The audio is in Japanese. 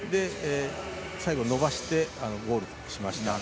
最後、伸ばしてゴールしました。